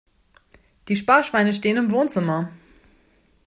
Die Sparschweine stehen im Wohnzimmer.